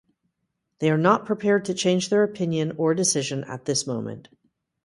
They are not prepared to change their opinion or decision at this moment.